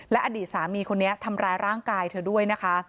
อดีตสามีคนนี้ทำร้ายร่างกายเธอด้วยนะคะ